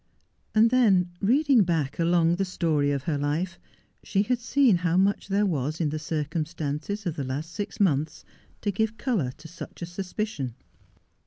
And then, reading back along the story of her life, she had seen how much there was in the circumstances of the last six months to give colour to such a suspicion.